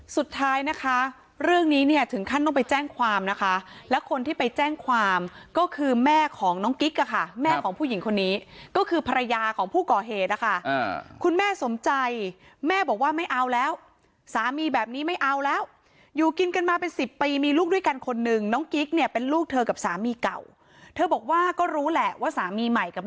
สุดท้ายนะคะเรื่องนี้เนี่ยถึงขั้นต้องไปแจ้งความนะคะแล้วคนที่ไปแจ้งความก็คือแม่ของน้องกิ๊กอะค่ะแม่ของผู้หญิงคนนี้ก็คือภรรยาของผู้ก่อเหตุนะคะคุณแม่สมใจแม่บอกว่าไม่เอาแล้วสามีแบบนี้ไม่เอาแล้วอยู่กินกันมาเป็นสิบปีมีลูกด้วยกันคนนึงน้องกิ๊กเนี่ยเป็นลูกเธอกับสามีเก่าเธอบอกว่าก็รู้แหละว่าสามีใหม่กับ